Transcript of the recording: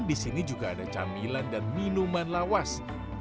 di sini juga ada camilan dan minuman lawas